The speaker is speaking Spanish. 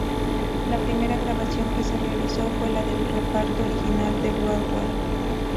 La primera grabación que se realizó fue la del reparto original de Broadway.